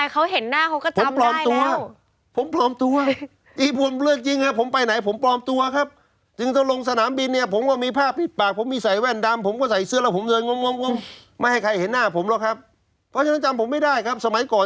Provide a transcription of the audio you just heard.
คุณชวิตลงไปเขาเห็นหน้าเขาก็จำได้แล้ว